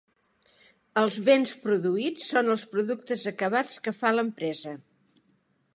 Els béns produïts són els productes acabats que fa l'empresa.